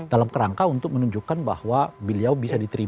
dalam kerangka untuk menunjukkan bahwa beliau bisa diterima